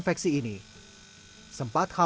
masker kain yang dibutuhkan